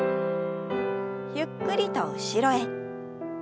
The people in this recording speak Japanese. ゆっくりと後ろへ。